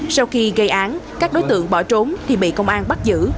sau khi gây án các đối tượng bỏ trốn thì bị công an bắt giữ